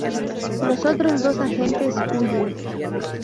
Los otros dos agentes huyen.